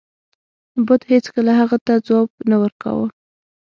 بت هیڅکله هغه ته ځواب نه ورکاو.